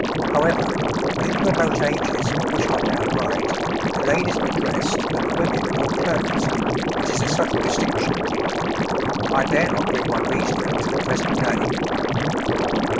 However, in the remote ages of which I now write, the ladies were dressed and the women wore clothes, which is a subtle distinction. I dare not bring my reasoning up to the present day.